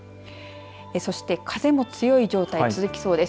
そして、風も強い状態が続きそうです。